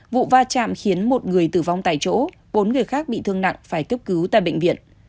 vụ va chạm khiến một người tử vong tại chỗ bốn người khác bị thương nặng phải cấp cứu tại bệnh viện